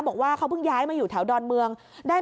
บอกว่าเขาเพิ่งย้ายมาอยู่แถวดอนเมือง